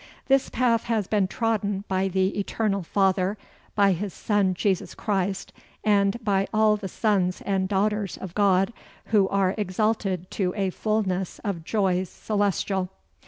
This path has been trodden by the eternal Father, by His son Jesus Christ, and by all the sons and daughters of God, who are exalted to a fulness of joys celestial.